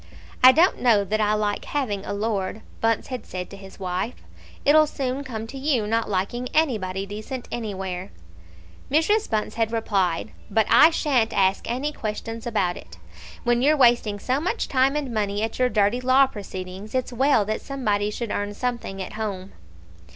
"I don't know that I like having a Lord," Bunce had said to his wife. "It'll soon come to you not liking anybody decent anywhere," Mrs. Bunce had replied; "but I shan't ask any questions about it. When you're wasting so much time and money at your dirty law proceedings, it's well that somebody should earn something at home."